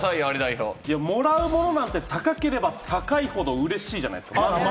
もらうものなんて、高ければ高いほどうれしいじゃないですか。